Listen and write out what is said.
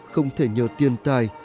không thể nhờ tiền tài